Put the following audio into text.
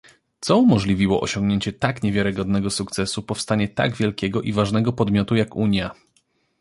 Co umożliwiło osiągnięcie tak niewiarygodnego sukcesu, powstanie tak wielkiego i ważnego podmiotu jak Unia?